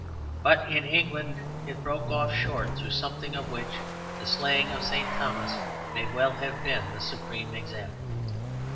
But in England it broke off short, through something of which the slaying of St. Thomas may well have been the supreme example.